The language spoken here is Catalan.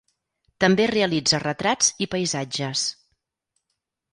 També realitza retrats i paisatges.